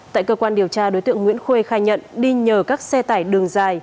tại cơ quan điều tra đối tượng nguyễn khuê khai nhận đi nhờ các xe tải đường dài